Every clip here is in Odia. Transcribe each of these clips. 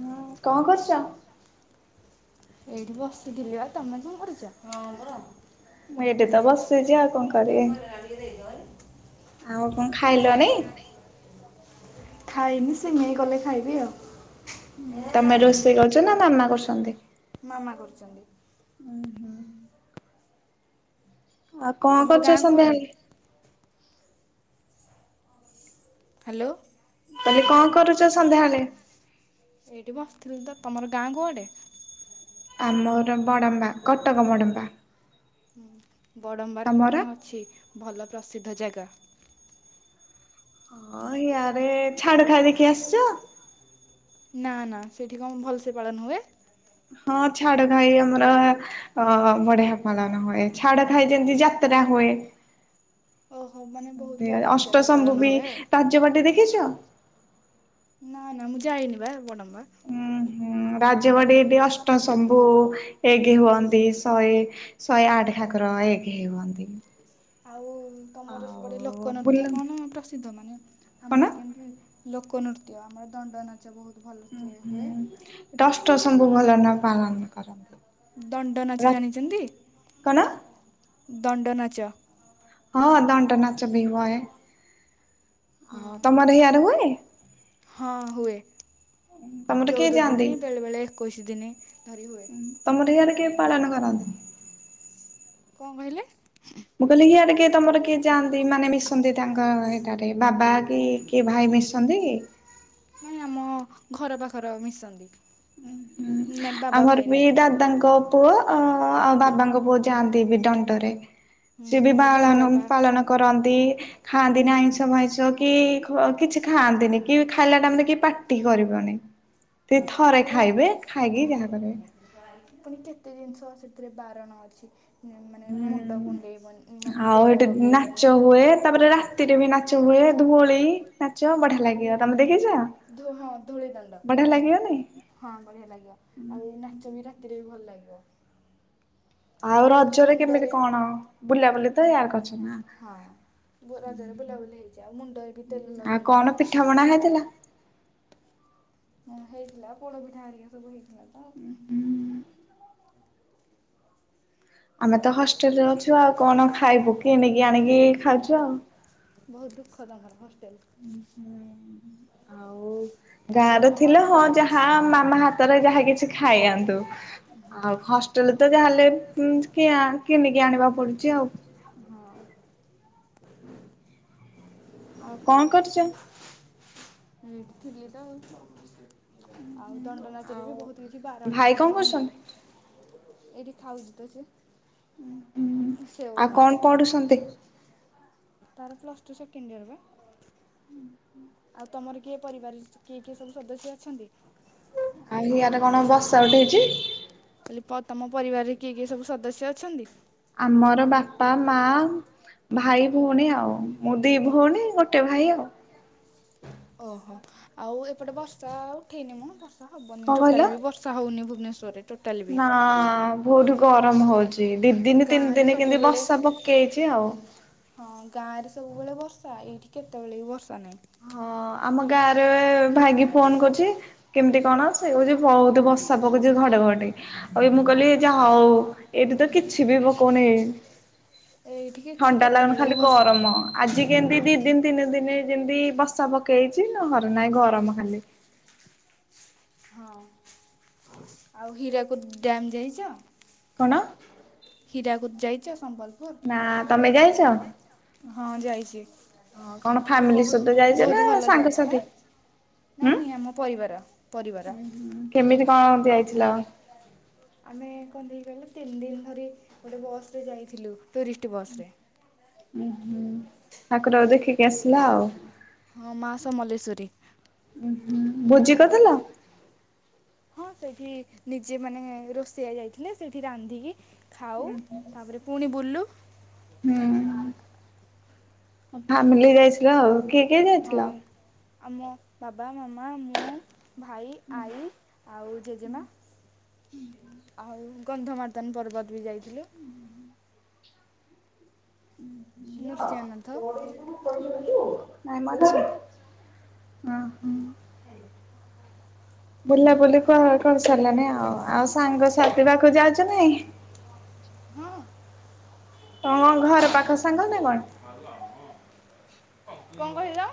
ହୁଁ କଣ କରୁଚ? ଏଇଠି ବସିଥିଲି ଆଉ ତମେ କଣ କରୁଚ? ମୁଁ ଏଠିପା ବସିଛି ଆଉ କଣ କରିବି। କଲରା ଟିକେ ଦେଇଦିଅ ହେରି। ଆଉ କଣ ଖାଇଲଣି? ଖାଇନି ସିମେଇ କଲେ ଖାଇବି ଆଉ। ହୁଁ ତମେ ରୋଷେଇ କରୁଚନା ମାମା କରୁ ତମେ ଦେ ମାମା କରୁଚନ୍ତି। ଆଉ କଣ ତମର ଗାଁ କରୁଚ କୁଆଡ଼େ ସନ୍ଧ୍ୟାବେଳେ? ହ୍ୟାଲୋ? ତମେ କଣ କ କରୁଛ ସନ୍ଧ୍ୟାବେଳେ? ଥିଲ ତମର ଗାଁ କୁଆଡେ? ଆମର ବଡ଼ମ୍ବା କଟକ ବଡମ୍ବା। ହଁ ବଡମ୍ବାରେରେ ତମର? କଣ ଅଛି ଭଲ? ପ୍ରସିଦ୍ଧ ଜାଗା। ହଁ ଇୟାଡେ ଛାଡ ଖାଇ ଦେଖି ଆସିଛ? ନା ନା ସେଇଠି କଣ ଭଲସେ ପାଳନ ହୁଏ? ହଁ ଛାଡ ଘାଇ ଆମର ଅ ବଢିଆ ପାଲନ ହୁଏ ଛାଡ ଘାଇ ଯେମତି ଯାତ୍ରା ହୁଏ। ଓହୋ ମାନେ ବହୁତ ବଡ଼ ଆକାରରେ ପାଳନ ଅଷ୍ଟସମ୍ଭୁ ବି ହୁଏ ଆଉ ତାଯ୍ୟ ବାଟି ଦେଖିଛ? ନା ନା ମୁଁ ଯାଇନି ବା ବଡ। ଆ ରାଜବାଡିଠି ଅଷ୍ଟ ଶମ୍ଭୁ ଏକ ହୁଅନ୍ତି ଶହେ ଶହେ ଆଠ ଠାକୁର ଏକ ହୁଅନ୍ତି। ଆଉ ତମର ଆଉ ସବୁପଟେ ଲୋକ ବୁଲ ନୃତ୍ୟ କଣ ପ୍ରସିଦ୍ଧ ମାନେ କଣ ଆମର କେମିତି? ଲୋକନୃତ୍ୟମ ଦଣ୍ଡନାଚ୍ୟ। ହଁ ହୁଁ ଦଷ୍ଟ ସବୁ ଭଲ ନା ପାଲନ। କରନ୍ତି। ଦଣ୍ଡନ ଅଛି ରା ଜାଣିଛନ୍ତି। କଣ ଦଣ୍ଡନାଚ। ହଁ ଦଟନାଚ ବି ହୁଏ। ହୁଁ। ଓ ତମର ଏଇଆର ହୁଏନି। ହଁ ହୁଏ। କିଏ ଚଉଦ ଯାଆନ୍ତି ଦିନି ବେଳେ ବେଳେ ଏକୋଇଶି ଦିନି ଧରି ହୁଏ। ତମର ହିଆଡେ ପାଳନ କରନ୍ତି। କଣ କହିଲେ? କିଏ ତମର କିଏ ଯାଆନ୍ତି ମାନେ ମିଶନ୍ତି ତାଙ୍କ ଏଟାରେ ବାବା କି କିଏ ଭାଇ ମିଶନ୍ତି? ମାନେ ଆମ ଘର ପାଖର ମିଶନ୍ତି। ହଁ ହୁଁ ନାଇଁ ବାବା ଆମର ଭାଇ ବି ନାଇଁ ଦାଦାଙ୍କ ପୁଅ ଆଉ ବାବାଙ୍କ ପୁଅ ଯାଆନ୍ତି ବି ଦଡଣ୍ଟରେ। ହୁଁ ସିଏ ବି ମୋର ବଡ଼ ବାଳନ ବାପା ପାଳନ କରନ ଖାଆନ୍ତିନି ଆଇଁଷ ଭଇଁଷ କି କିଛି ଖାଆନ୍ତିନି କି ଖାଇଲା ଟାଇମ ରେ କି ପାର୍ଟି କରିବନି। [unintelligible] ସେ [unintelligible] ଥରେ ପୁଣି ଖାଇବେ ଖାଇକି ଯାହା କରିବେ। କେତେ ଜିନିଷ ସେଥିରେ ବାରଣ ଅଛି। ମାନେ ମୁଣ୍ଡ କୁଣ୍ଡେଇବନି ହୁଁ ମାନେ ଆଉ ତେଲ ଏଠି ଲଗେଇବନି ନାଚ ହୁଏ ତାପରେ ରାତିରେ ବି ନାଚ ହୁଏ ଧୋଳି ନାଚ ବଢିଆ ଆହୁରି ଲାଗିବ ତମେ ଦେଖିଛ ହଁ ଧୂଳିଦଣ୍ଡ ବଢିଆ ଲା ହଁ ବଢିଆ ଲାଗିବ ଆଉ ନାଚ ବି ରାତିରେ ବି ଭଲ ଲାଗିବ। ଆଉ ଯେଉଁ ରଜରେ କେମିତି ମୁଣ୍ଡରେ କଣ ବୁଲା ବୁଲି? ତୟାର କରଛ ହଁ ରଜରେ ବୁଲାବୁଲି ହେଇଛି ଆଉ ମୁଣ୍ଡରେ ବି ତେଲ ଆଉ କଣ ଲଗେଇବେନିା ପିଠାପଣା ହେଇଥିଲା? ହଁ ହେଇଥିଲା ପୋଡ ପିଠା ହାରିକା ସବୁ ହେଇଥିଲା ତ ହୁଁ ହୁଁ। ଆମେ ତ ହସ୍ ଷ୍ଟେଲ ରେ ଅଛୁ ଆଉ କଣ ଖାଇବୁ କିଣିକି ଆଣିକି ଖାଉଛୁ ଆଉ। ବହୁତ ଦୁଃଖ ଲାଗା ଘ ଆଉ ଗାଁ ଆଉ ର ତମ ଥିଲା ହଁ ଯାହା ମାମା ହାତରେ ଯାହା କିଛି ଖାଇ ଆନ୍ତୁ। ଆଉ ହଁ ହଷ୍ଟେଲରେ ତ ଯାହେଲେ କିଣିକି ଆଣିବାକୁ ପଡୁଛି ଆଉ। ଆଉ କଣ କରୁଛ? ଇଠ ଠିକଦ ଆଉ। ଆଉ ଦଣ୍ଡ ନାଚରେ ଆଉ ବି ବହୁତ କିଛି ଭାଇ ବାରଣଭଏ କଣ କରୁଛନ୍ତି? ମୁଣ୍ଡରେ ଏଇଠି ଖାଉଛି। [inaudible] ହୁଁ ସେଓ ଆଉ ଖାଉଛି କଣ ପଢୁ ସନ୍ତି? [inaudible] ତାର ପ୍ଲସ ଟୁ ସେକେଣ୍ଡ ଇୟର ବା? ଆଉ ତମର କିଏ ପରିବାର କିଏ କିଏ ସବୁ ସଦସ୍ୟ ଅଛନ୍ତି। ଆରେ ହିଆଡେ କଣ ବର୍ଷା ଉଠେଇଛି? କହଲି ତମ ପରିବାରରେ କିଏ କିଏ ସବୁ ସଦସ୍ୟ ଅଛନ୍ତି? ଆମର ବାପା ମା ଭାଇ ହଉନି ଆଉ ମୁଁ ଦି ଭଉଣୀ ଗୋଟେ ଭାଇ ଆଉ। ଓହୋ ଆଉ ଏପଟେ ବର୍ଷା ଉଠେଇନି ମୁଁ ବର୍ଷା ବଷ ହବନି କଣ କହିଲ? ଟୋଟଲି ବି ବର୍ଷା ହଉନି ଭୁନେଶ୍ୱରେ ନା ବହୁତ ଗରମ ହଉଛି। ଦି ଦିନ ତିନି ଗାଁରେ ଦିନ କେମତି ସବୁବେଳେ ବର୍ଷା ପକେଇଛି ଆଉ। ହଁ ଗାଁରେ [inaudible] ହଁ ଆମ ଗାଁରେ ଭାଗି ଫୋନ କରୁଛି। କେମିତି କଣ ସେ କହୁଛି ବହୁତ ବଷା ପକଉଛି ଘଡେ ଘଡେ ଆଉ ଏ ମୁଁ କହିଲି ଯା ହଉ ଏଇଠି ତ କିଛି ବି ପକଉନି ଏଇଠି କିଛି ଥଣ୍ଡା ଲାଗୁନି କେତେବେଳେ ଖାଲି ବି ବର୍ଷା ଗରମ ନାହିଁ ଆଜି କେମିତି ଦି ଦିନ ଦିନ ଦିନ ଯେନ୍ତି ବର୍ଷା ପକେଇଛି ନ ଘରେ ନହିଁ ଗରମ ଖାଲି। [inaudible] ହଁ ଆଉ ହୀରାକୁଦ ଡ୍ୟାମ ଯାଇଛ? ନ ହୀରାକୁ ଯାଇଛ? ସମ୍ବଲପୁର ନା ତମେ ଯାଇଛ? ହଁ ଯାଇଛି। ହଁ କଣ ଫ୍ୟାମିଲି ସହିତ ବହୁତ ଯାଇଛ ନା ବହୁତ ଭଲ ଜାଗା ସାଙ୍ଗସାଥି ଆ ହୁଁ ନାଇଁ ନାଇଁ ଆମ ପରିବାର ପରିବାର କେମିତି କଣ ଯାଇଥିଲ? ଆମେ କଣ ଦି କହିଲ ତିନି ଦିନ ଧରି ଗୋଟେ ବସ ରେ ଯାଇଥିଲୁ ଟୁରିଷ୍ଟ ବସରେ। ଉ ହୁଁ ଠାକୁର କୁ ଦେଖିକି ଆସଲା ଆଉ। ହଁ ମା ସମଲେଶ୍ୱରୀ। ଭୋଜି କରିଥିଲ? ହଁ ସେଇଠି ନିଜେ ମାନେ ରୋଷେଇଆ ଯାଇଥିଲେ ସେଇଠି ରାନ୍ଧିକି ଖାଉ ତାପରେ ପୁଣି ବୁଲୁ [inaudible] ଫ୍ୟାମିଲି ଯାଇ ଯ ଆଉ କିଏ କିଏ ହଁ ଯାଇଥିଲ? ଆମ [inaudible] ବାବା ମାମା ମୁଁ। ଭାଇ ଆଈ ଆଉ ଜେଜେମା ଆଉ। କନ୍ଧମାର୍ଦନ ପର୍ବତ ବି ଯାଇଥିଲୁ। ଝିଅ ନୃସିଂହନାଥ ପଡ଼ିଯିବୁ। ନାଇ ମ ଅ ହୁଁ ବୁଲାବୁଲି କ-କର ସାରିଲଣିି ଆଉ ଆଉ ସାଙ୍ଗସାଥି ପାଖକୁ ଯାଉଛ ନାଇଁ। ହଁ। ତମ ଘର ପାଖ ସାଙ୍ଗ ନା କଣ। କଣ କହିଲ?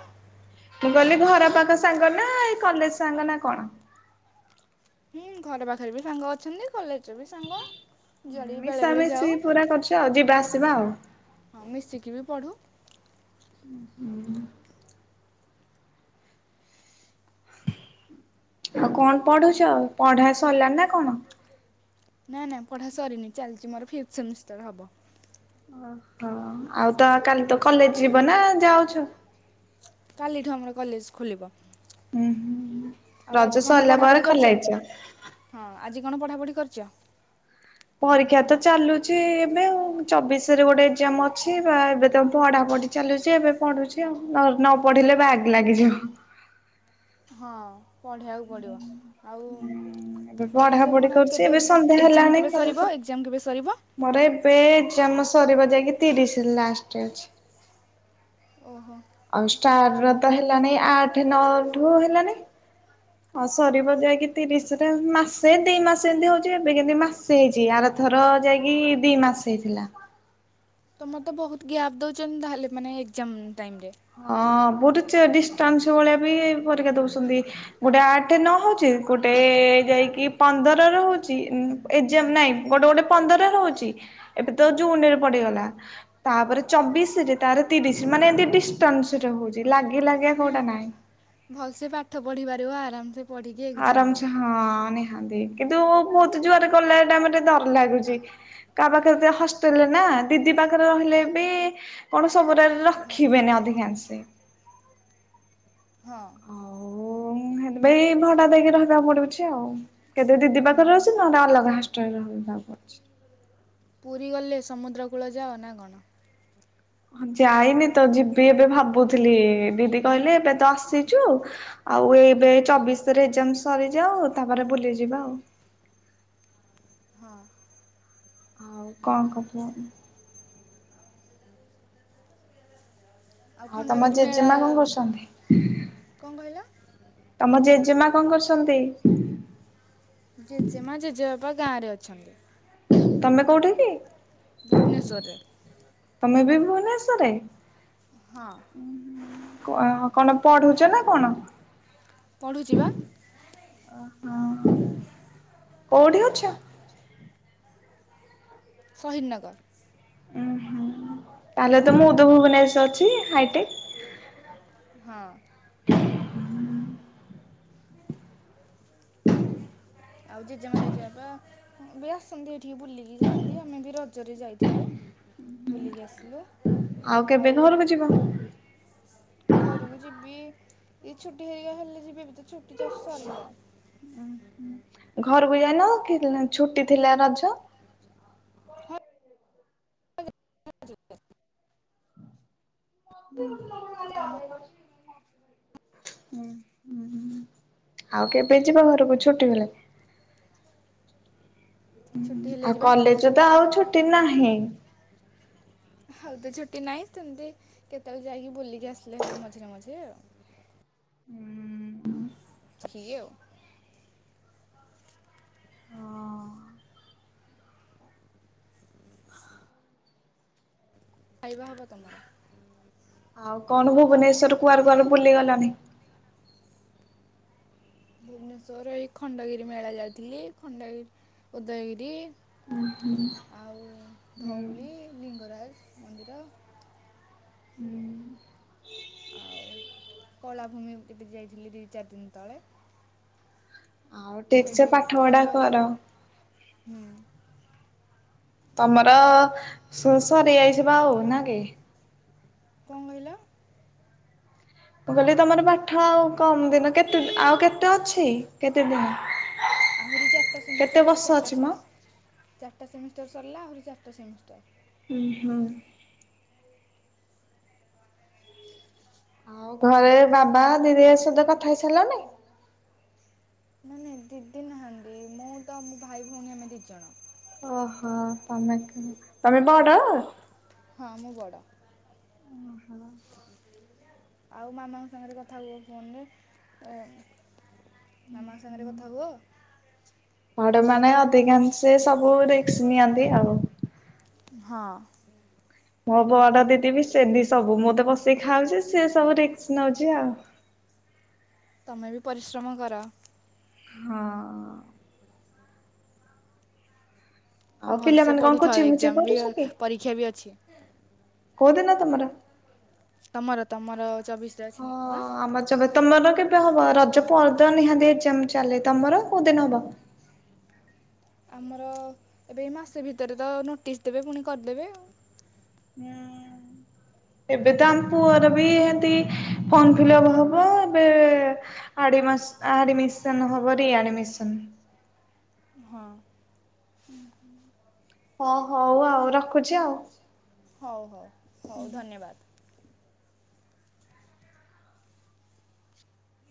ମୁଁ କହିଲି ଘର ପାଖ ସାଙ୍ଗ ନା ଏ କଲେଜ ସାଙ୍ଗ ନା କଣ। ହୁଁ ଘର ପାଖରେ ବି ସାଙ୍ଗ ଅଛନ୍ତି କଲେଜ ବି ସାଙ୍ଗ। ଯୁଆଡ଼େ ବି ବେଳେବେଳେ ଯାଉ ମିଶାମିଶି ପୁରା କରୁଛ ଆଉ ଯିବା ଆ ଆସିବା ଆଉ। ହଁ ମିଶିକି ବି ପଢୁ। ଉ ହୁଁ। ଆଉ କଣ ପଢୁଛ ପଢା ସରିଲା ନା କଣ। ନାଇଁ ନାଇଁ ପଢା ସରିନି ଚାଲିଛି ମୋର ଫିଫ୍ଥ ସେମିଷ୍ଟର ହବ। ହଁ ଆଉ ତ କାଲି ତ କଲେଜ ଯିବ ନା ଯାଉଛୁ। କାଲିଠୁ ଆମର କଲେଜ ଖୋଲିବ। ହୁଁ ହୁଁ। ଆଉ ଆଜି ରଜ କ'ଣ ସରିଲା ପଢ଼ାପଢ଼ି ପରେ କରିଛ ଖଲେଜ। ହଁ ଆଜି କଣ ପଢ଼ାପଢ଼ି କରିଛ। ପରୀକ୍ଷା ତ ଚାଲୁଛି ଏବେ ଆଉ ଚବିଶରେ ଗୋଟେ ଏକ୍ଜାମ ଅଛି ବା ଏବେ ତ ପଢା ପଢି ଚାଲୁଛି ଏବେ ପଢୁଛି ଆଉ ନ ନ ପଢିଲେ ବ୍ୟାଗ୍ ଲାଗିଯିବ। ହଁ। ପଢ଼ିବାକୁ ପଡ଼ିବ ଆଉ ହୁଁ ଏବେ ଚବିଶରେ ପଢାପଢି କ'ଣ କରୁଛି କେବେ ଏବେ ଏକ୍ଜାମ୍ ସନ୍ଧ୍ୟା ଏକ୍ଜାମ୍ ହେଲାଣି କେବେ ସରିବ ଏକ୍ଜାମ୍ କେବେ ସରିବ ମୋର ଏବେ ଜମ ସରିବା ଯାଇ କେତେ ଡିଶ ଲାଷ୍ଟେ ଅଛି। ଓହୋ ଅନଂଷ୍ଠା। ର ତ ହେଲାନି ଆଠ ନଅ ଠୁ ହେଲାନି। ହଁ ସରିବ ଯାଇକି ତିରିଶରେ ମାସେ ଦି ମାସ ଏମତି ହଉଛି ଏବେ କେମତି ମାସେ ହେଇଛି ଆରଥର ଯାଇକି ଦି ମାସ ହେଇଥିଲା। ମୋତେ ବହୁତ ଗ୍ୟାପ୍ ଦେଉଛନ୍ତି ତାହେଲେ ମାନେ ଏକ୍ଜାମ ହଁ। ଗୋଟେ ଡିଷ୍ଟାନ୍ସ ଭଳିଆ ବି ପରୀକ୍ଷା ଦଉଛନ୍ତି ଗୋଟେ ଆଠ ନ ହଉଛି ଗୋଟେ ଯାଇକି ପନ୍ଦରରେ ହଉଛିଏଜାମ ନାଇଁ ଗୋଟେ ଗୋଟେ ପନ୍ଦରରେ ହଉଛି ଏବେ ତ ଜୁନ ରେ ପଡିଗଲା ତାପରେ ଚବିଶି ରେ ତାରେ ତିରିଶି ମାନେ ଏମତି ଡିସ ତନ୍ ସିରେ ହଉଛି ଲାଗି ଲାଗିଆ ମାନେ କୋଉଟା ନାହିଁ। ଭଲସେ ପାଠ ପଢି ପାରିବ ଆରାମ୍ ସେ ଆରାମ୍ ସେ ହଁ ନା ନ୍ତି କିନ୍ତୁ ବହୁତ ଜୋରରେ କଲେ ଟାଇ ଟେ ଡର ଲାଗୁଛି କାହା ପାଖରେ ହଷ୍ଟେଲରେ ନା ଦିଦି ପାଖରେ ରହିଲେ ବି କଣ ସବୁୁର ରଖିବେନି ଅଧିକାଂଶ। ହଁ ଆଉ ହେଲେବି ଭଣ୍ଡା ଦେଇକି ରହିବାକୁ ପଡୁଛି ଆଉ କେବେ ଦିଦି ପାଖରେ ଅଛି ନ ଅଲଗା ହଷ୍ଟେଲେରେ ରହିବାକୁ ପଡୁଛି। ପୁରୀ ଗଲେ ସମୁଦ୍ର କୂଳ ଯାଅ ନା କଣ। ଯାଇନି ତ ଯିବି ଏବେ ଭାବୁଥିଲି ଦିଦି କହିଲେ ଏବେ ତ ଆସିଛୁ ଆଉ ଏବେ ଚବିଶରେ ଏଜାମ ସରିଯାଉ ତାପରେ ବୁଲି ଯିବା ଆଉ। ହଁ ଆଉ କଣ କରଛ ଆଉ ତମ ଖଣ୍ଡଗିରି ଗିରି ମେଳା ଜେଜେମା କଣ କରୁଛନ୍ତି କଣ କହିଲ? ତମ ଜେ ଜେଜେମା କଣ କରୁଛନ୍ତି। ଜେଜେମା ଜେଜେବାପା ଗାଁ ରେ ଅଛନ୍ତି। ତମେ କୋଉଠି କି। ଭୁବନେଶ୍ୱରରେ। ତମେ ବି ହଁ ଭୁବନେଶ୍ଵରରେ। [unintelligible] ପଢୁଚ ନା କଣ। ପଢ଼ୁଛି ବା। ଓ ହୋ କୋଉଠି ଅଛ। ସହିଦ୍ ନଗର। ଉହୁଁ ତାହେଲେ ତ ମୁଁ ଉଧ ଭୁବନେଶ ଅଛି ହାଇଟେକ୍। ହଁ। ଆଉ ଜେଜେମା ଜେଜେବାପା ବି ଆସନ୍ତି ଏଠିକି ବୁଲିକି ଯାଆନ୍ତି ଆମେ ବି ରଜରେ ଯାଇଥିଲୁ ବୁଲିକି ଆସିଲୁ। ଆଉ କେବେ ଘରକୁ ଯିବ। ଘରକୁ ଯିବି ଏଇ ଛୁଟି ହେଇ ହେଲେ ଯିବି ଏବେ ତ ଛୁଟି ଜଷ୍ଟି ସରିଲା। ଘରକୁ ଯାଇନ କି ଛୁଟି ଥିଲା ରଜ। ହଁ [unintelligible] [inaudible] [unintelligible] ହୁଁ ହୁଁ ଆଉ କେବେ ଯିବ ଘରକୁ ଛୁଟି ବେଳେ। ଛୁଟି ହେଲେ ଆଉ ଯିବା କଲେଜ ତ ଆଉ ଛୁ ଟି ନାହିଁ ଏବେ ତ ଛୁଟି ନାହିଁ ସେମିତି କେତେବେଳେ ଯାଇକି ବୁଲି ଆସିଲେ ହବ ମଝିରେ ମଝିରେ ଆଉ ହୁଁ। [unintelligible] ଖାଇବା ହବ ତମର। ଆଉ କଣ ଭୁବନେଶ୍ଵର କୁଆଡେ କୁଆଡେ ବୁଲିଗଲାନି। ଭୁବନେଶ୍ୱର ଏହି ଖଣ୍ଡଗିରି ମେଳା ଯାଇଥିଲି ଖଣ୍ଡଗିରି ଉଦୟଗିରି ଆଉ ଧଉଳି ଲିଙ୍ଗରାଜ ମନ୍ଦିର। ଆଉ କଳାଭୂମି ଏବେ ଯାଇଥିଲି ଦୁଇ ଚାରି ଦିନ ତଳେ। ଆଉ ଠିକ୍ ସେ ସେଇଠି ପାଠ ପଢା ଆମର କର। ହୁଁ ତମର ସୁ ସରି ଯାଇଯିଇଚି ପା ଆଉ ନା କି। କଁ କହିଲ। ମୁଁ କହିଲି ତମର ପାଠ ଆଉ କମ ଦିନ କେତେ ଦି ଆଉ କେତେ ଅଛି କେତେ ଦିନ। ଆହୁରି ଚାରିଟା କେତେ ସେମିଷ୍ଟାର ଏବେ ବର୍ଷ ଚାରିଟା ଅଛି ମ? ସହ ଚାରିଟା ସେମିଷ୍ଟାର। ସରିଲା ଆହୁରି ଚାରିଟା ସେମିଷ୍ଟାର। ହୁଁ ହଁ। ଆଉ ଘରେ ବାବା ଦିଦି ଏ ସହିତ କଥା ହେଇସାରିଲନି। ନାଇଁ ନାଇଁ ଦିଦି ନାହାନ୍ତି ମୁଁ ତ ମୋ ଭାଇ ଭଉଣୀ ଆମେ ଦି ଜଣ। ଓହୋ ତମେ ତମେ ବଡ଼। ହଁ ମୁଁ ବଡ଼। ଓହୋ। ଆଉ ମାମାଙ୍କ ସାଙ୍ଗରେ କଥା ହୁଅ ଫୋନରେ ମାମାଙ୍କ ସାଙ୍ଗରେ କଥା ହୁଅ? ବଡ଼ ମାନେ ଅଧିକାଂଶେ ସବୁ ସବୁ ରିସ୍କ ନିିଅନ୍ତି ଆଉ। ହଁ ମୋ ବଡ ଦିଦି ବିି ସେମିତି ସବୁ ମୁଁ ତ ବସିକି ଖାଉଛି ସିଏ ସବୁ ରିସ୍କ୍ ନଉଛି ଆଉ। ତମେ ବି ପରିଶ୍ରମ କର। ହଁ। ଆଉ ଭଲସେ ପିଲାମାନେ କଣ କୋଚିଂ ପଢ଼ୁଥାଓ ଫୋଚିଂ ଏକ୍ଜାମ ବି କରୁଛ ପରୀକ୍ଷା ବି ଅଛି। କୋଉଦିନ ତମର? ତମର ତମର ଚବିଶ ହଁ [unintelligible] ବା। ଆମର ଯେବେ ତମର କେବେ ହବ ରଜ ପରେ ନିହାତି ଏଜ୍ଜାମ୍ ଚାଲେ। ତମର କୋଉ ଦିନ ହବ? ଆମର ଏବେ ମାସେ ଭିତରେ ତ ନୋଟିସ୍ ଦେବେ ପୁଣି କରିଦେବେ ଆଉ। ଏବେ ତ ଆମ ପୁଅର ହେମିତି ଫର୍ମଫିଲପ୍ ହବ। ଏବେ ଆଡିମାସ୍ ଆଡିମିସନ୍ ହବ ରିଆଡିମିସନ୍। ଆଉ ହଁ ହଉ ଆଉ ରଖୁଛି ଆଉ। ହଉ ହଉ ହଉ ଧନ୍ୟବାଦ।